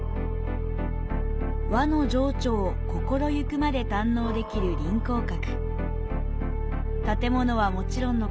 和の情緒を心ゆくまで堪能できる臨江閣。